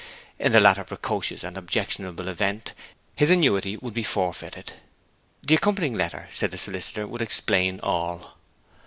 In the latter precocious and objectionable event his annuity would be forfeited. The accompanying letter, said the solicitor, would explain all.